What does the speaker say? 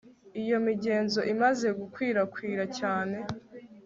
Iyo migenzo imaze gukwirakwira cyane